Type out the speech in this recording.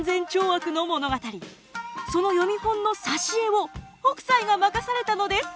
その読本の挿絵を北斎が任されたのです。